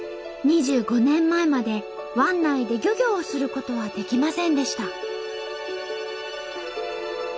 ２５年前まで湾内で漁業をすることはできませんでした。